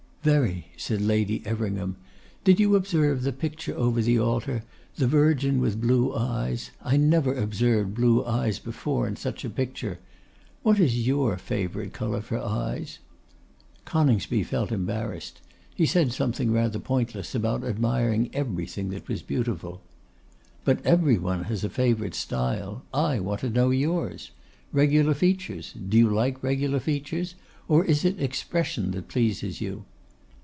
'Very!' said Lady Everingham. 'Did you observe the picture over the altar, the Virgin with blue eyes? I never observed blue eyes before in such a picture. What is your favourite colour for eyes?' Coningsby felt embarrassed: he said something rather pointless about admiring everything that was beautiful. 'But every one has a favourite style; I want to know yours. Regular features, do you like regular features? Or is it expression that pleases you?